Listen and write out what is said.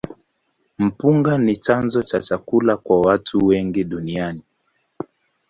Mpunga ni chanzo cha chakula kwa watu wengi duniani.